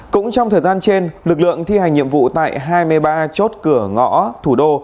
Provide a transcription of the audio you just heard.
cũng trong thời gian trên lực lượng thi hành nhiệm vụ tại hai mươi ba chốt cửa ngõ thủ đô